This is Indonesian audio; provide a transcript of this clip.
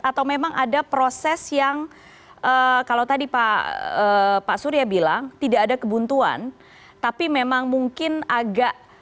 atau memang ada proses yang kalau tadi pak surya bilang tidak ada kebuntuan tapi memang mungkin agak